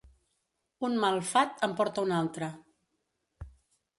Un mal fat en porta un altre.